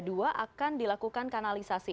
dua akan dilakukan kanalisasi